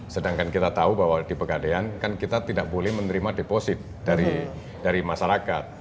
sedangkan kita tahu bahwa di pegadean kan kita tidak boleh menerima deposit dari masyarakat